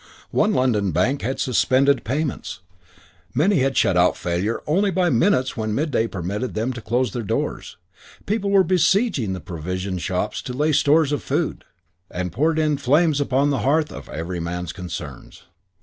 One London bank had suspended payment. Many had shut out failure only by minutes when midday permitted them to close their doors. People were besieging the provision shops to lay in stores of food. And poured in flames upon the hearth of every man's concerns....